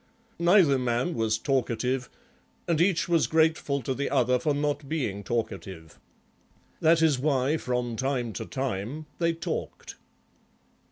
Neither man was talkative and each was grateful to the other for not being talkative. That is why from time to time they talked.